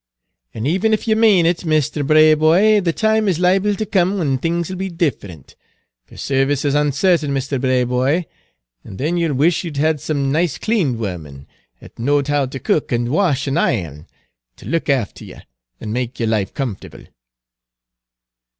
"An' even if ye mane it, Misther Braboy, the time is liable to come when things 'll be different; for service is uncertain, Misther Braboy. An' then you'll wish you had some nice, Page 244 clean woman, 'at knowed how to cook an' wash an' iron, ter look afther ye, an' make yer life comfortable."